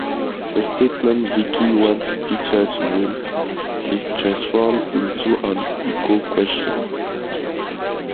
The statement "Vicky wants Peter to win" is transformed into an 'echo'-question.